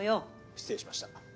失礼しました。